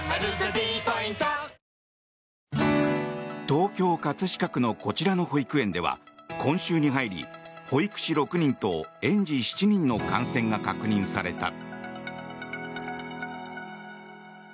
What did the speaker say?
東京・葛飾区のこちらの保育園では今週に入り、保育士６人と園児７人の感染が確認された。